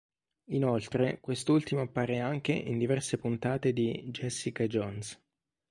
Inoltre quest'ultimo appare anche in diverse puntate di "Jessica Jones".